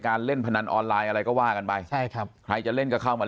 เล่นพนันออนไลน์อะไรก็ว่ากันไปใช่ครับใครจะเล่นก็เข้ามา